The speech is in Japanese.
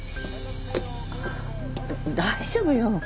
大丈夫よ。